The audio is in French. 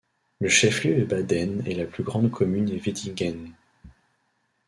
Le chef-lieu est Baden et la plus grande commune est Wettingen.